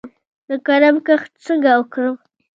د کرم کښت څنګه وکړم؟